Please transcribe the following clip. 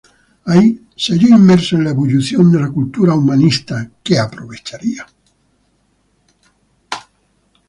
Ahí, se halló inmerso en la ebullición de la cultura humanista, que aprovecharía.